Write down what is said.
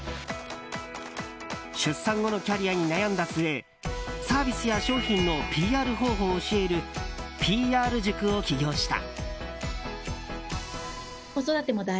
出産後のキャリアに悩んだ末サービスや商品のＰＲ方法を教えるＰＲ塾を起業した。